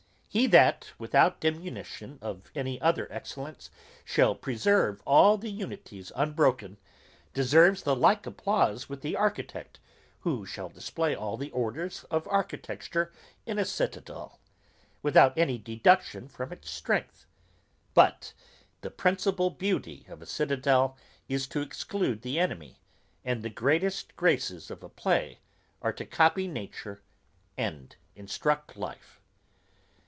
He that, without diminution of any other excellence, shall preserve all the unities unbroken, deserves the like applause with the architect, who shall display all the orders of architecture in a citadel; without any deduction from its strength; but the principal beauty of a citadel is to exclude the enemy; and the greatest graces of a play, are to copy nature and instruct life.